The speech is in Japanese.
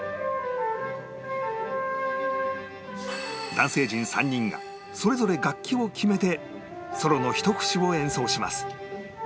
男性陣３人がそれぞれ楽器を決めてソロのひと節を演奏します